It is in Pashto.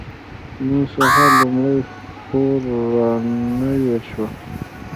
نن سهار لومړۍ خور را نوې شوه.